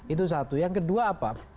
itu satu yang kedua apa